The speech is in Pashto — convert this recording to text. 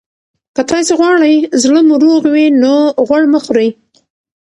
که تاسي غواړئ زړه مو روغ وي، نو غوړ مه خورئ.